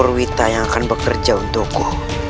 nyai kurwita yang akan berkutukmu